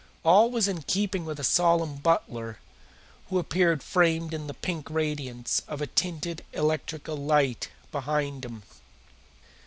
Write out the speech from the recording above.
All was in keeping with a solemn butler who appeared framed in the pink radiance of a tinted electrical light behind him.